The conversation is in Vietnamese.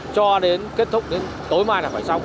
cho đến kết thúc đến tối mai là phải xong